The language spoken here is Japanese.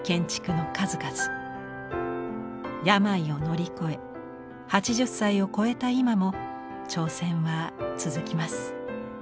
病を乗り越え８０歳を超えた今も挑戦は続きます。